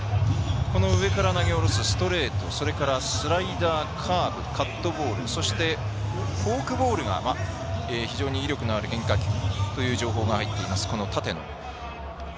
上から投げ下ろすストレート、スライダーカーブ、カットボールそしてフォークボールが非常に威力のある変化球という情報が入っている立野。